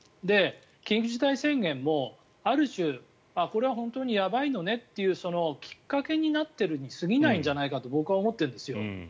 緊急事態宣言もある種これは本当にやばいのねというきっかけになってるに過ぎないんじゃないかと僕は思ってるんですよ。